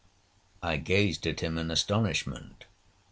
'I gazed at him in astonishment.